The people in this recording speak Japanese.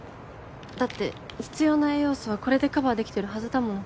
だって必要な栄養素はこれでカバーできてるはずだもの。